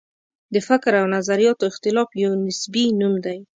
د فکر او نظریاتو اختلاف یو نصبي نوم دی.